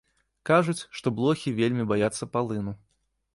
Кажуць, што блохі вельмі баяцца палыну.